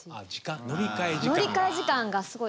乗り換え時間がすごい。